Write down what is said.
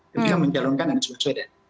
ketika menjalankan anies presiden